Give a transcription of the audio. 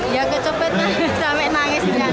ya kecepit sampai nangis